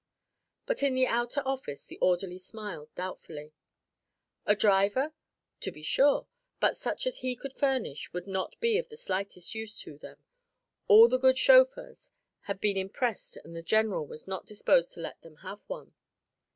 But in the outer office the orderly smiled doubtfully. A driver? To be sure; but such as he could furnish would not be of the slightest use to them. All the good chauffeurs had been impressed and the general was not disposed to let them have one.